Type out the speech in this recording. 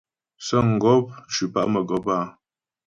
Sə̌ŋgɔp ncʉ pa' mə́gɔp áa.